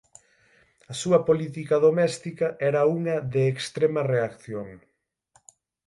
A súa política doméstica era unha de extrema reacción.